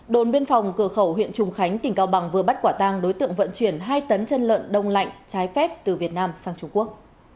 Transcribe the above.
đồn biên phòng cửa khẩu huyện trùng khánh tỉnh cao bằng vừa bắt quả tang đối tượng vận chuyển hai tấn chân lợn đông lạnh trái phép từ việt nam sang trung quốc